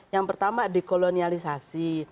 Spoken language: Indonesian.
yang pertama dekolonialisasi